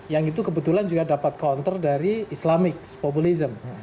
yang itu kebetulan juga dapat counter dari islamis populisme